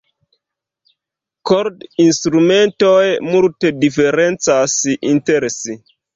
Kord-instrumentoj multe diferencas inter si.